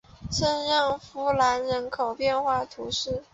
圣让夫兰人口变化图示